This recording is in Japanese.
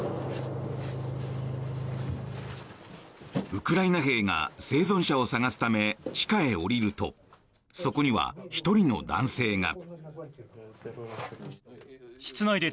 ウクライナ兵が生存者を探すため地下へ降りるとそこには１人の男性が。